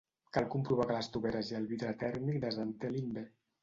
Cal comprovar que les toveres i el vidre tèrmic desentelin bé.